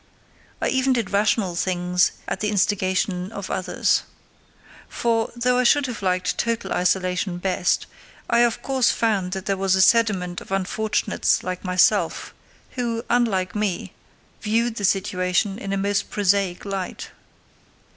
I even did rational things at the instigation of others. For, though I should have liked total isolation best, I, of course, found that there was a sediment of unfortunates like myself, who, unlike me, viewed the situation in a most prosaic light.